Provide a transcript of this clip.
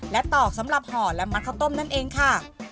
และตอกสำหรับห่อและมัดข้าวต้มนั่นเองค่ะ